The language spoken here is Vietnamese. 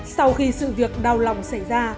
sau khi sự việc đau lòng xảy ra